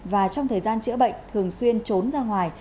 và trong thời gian chữa bệnh thường xuyên trốn ra ngoài